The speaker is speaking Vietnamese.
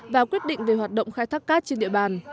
và quyết định về hoạt động khai thác cát trên địa bàn